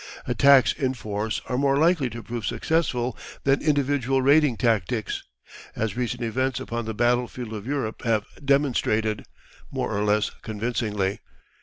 Attacks in force are more likely to prove successful than individual raiding tactics, as recent events upon the battlefield of Europe have demonstrated more or less convincingly.